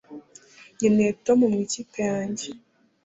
nkeneye tom mu ikipe yanjye